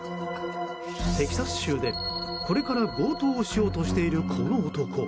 テキサス州で、これから強盗をしようとしている、この男。